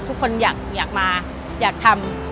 ทุกคนอยากมาอยากทำ